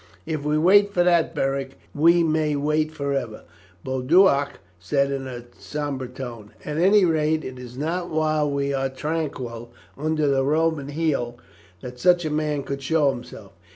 "If we wait for that, Beric, we may wait for ever," Boduoc said in a sombre tone, "at any rate it is not while we are tranquil under the Roman heel that such a man could show himself.